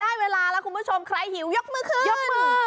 ได้เวลาแล้วคุณผู้ชมใครหิวยกมือขึ้นยกมือ